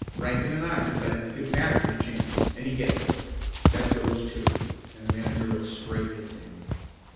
Rankin and I decided to give Matson a chance, and he gets it. That goes, too!" and the manager looked straight at Sam.